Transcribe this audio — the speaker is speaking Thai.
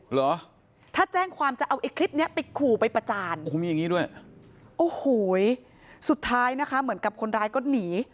เหรอถ้าแจ้งความจะเอาไอ้คลิปเนี้ยไปขู่ไปประจานโอ้โหมีอย่างนี้ด้วยโอ้โหสุดท้ายนะคะเหมือนกับคนร้ายก็หนี